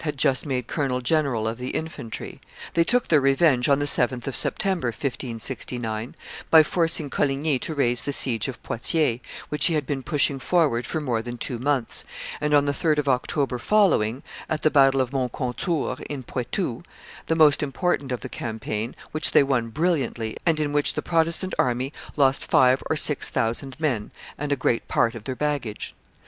had just made colonel general of the infantry. They took their revenge on the 7th of September, 1569, by forcing Coligny to raise the siege of Poitiers, which he had been pushing forward for more than two months, and on the 3d of October following, at the battle of Moncontour in Poitou, the most important of the campaign, which they won brilliantly, and in which the Protestant army lost five or six thousand men and a great part of their baggage.